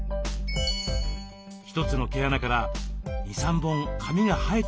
一つの毛穴から２３本髪が生えてきています。